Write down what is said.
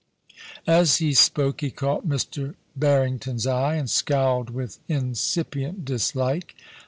As he spoke he caught Mr. Barrington's eye, and scowled with incipient dislike.